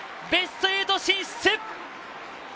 ベスト８進出！